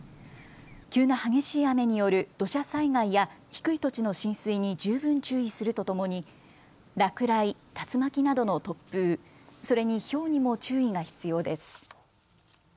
急な激しい雨による土砂災害や低い土地の浸水に十分注意するとともに落雷、竜巻などの突風、それにひょうにも注意が必要です。